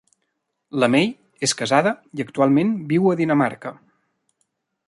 La May és casada i actualment viu a Dinamarca.